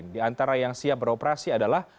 di antara yang siap beroperasi adalah